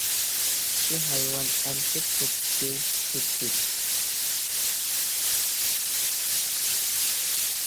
چىشى ھايۋان ئەمچەك توپچىسى تۆت جۈپ.